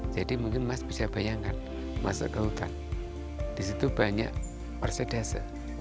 jadi mungkin mas bisa bayangkan masuk ke hutan di situ banyak orsidase